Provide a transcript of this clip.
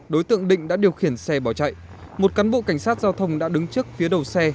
đối tượng định đã điều khiển xe bỏ chạy một cán bộ cảnh sát giao thông đã đứng trước phía đầu xe